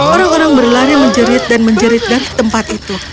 orang orang berlari menjerit dan menjerit dari tempat itu